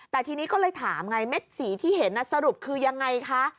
แต่ทีนี้ก็เลยถามไงเม็ดสีที่เห็นสรุปคือยังไงคะ